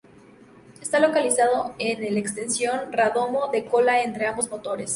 Está localizado en el extensión radomo de cola entre ambos motores.